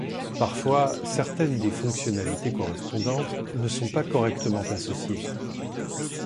Parfois, certaines des fonctionnalités correspondantes ne sont pas correctement associées.